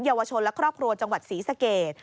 เยาวชนและครอบครัวจังหวัดศรีสเกต